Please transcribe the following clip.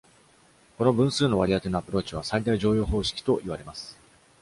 この分数の割り当てのアプローチは最大剰余方式と言われます。